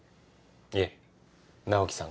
いえ直木さん